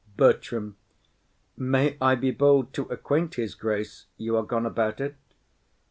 BERTRAM. May I be bold to acquaint his grace you are gone about it?